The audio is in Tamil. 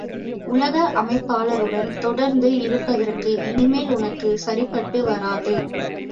உலக அமைப்பாளருடன் தொடர்ந்து இருப்பதற்கு, இனிமேல் உனக்குச் சரிப்பட்டு வராது.